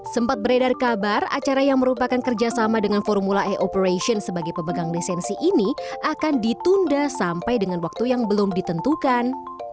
sempat beredar kabar acara yang merupakan kerjasama dengan formula e operation sebagai pemegang lisensi ini akan ditunda sampai dengan waktu yang belum ditentukan